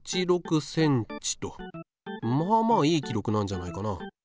まあまあいい記録なんじゃないかな。